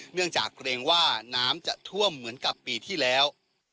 เนื่องจากเกรงว่าน้ำจะท่วมเหมือนกับปีที่แล้ว